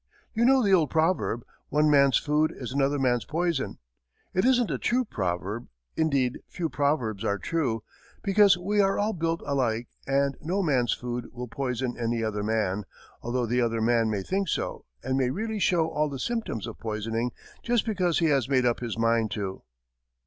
You know the old proverb, "One man's food is another man's poison." It isn't a true proverb indeed, few proverbs are true because we are all built alike, and no man's food will poison any other man; although the other man may think so, and may really show all the symptoms of poisoning, just because he has made up his mind to.